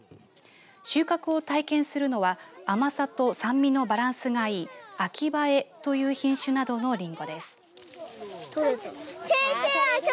収穫を体験するのは甘さと酸味のバランスがいい秋映という品種などのリンゴです。